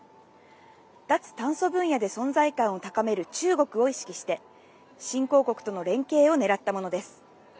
脱炭素分野で存在感を高める中国を意識して、新興国との連携をねらったものです。